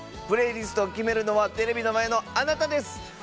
プレイリストを決めるのはテレビの前のあなたです。